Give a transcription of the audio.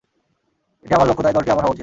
এটি আমার লক্ষ্য তাই দলটি আমার হওয়া উচিত।